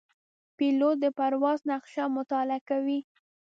پیلوټ د پرواز نقشه مطالعه کوي.